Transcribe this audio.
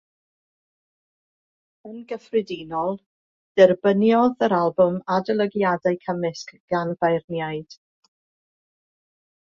Yn gyffredinol, derbyniodd yr albwm adolygiadau cymysg gan feirniaid.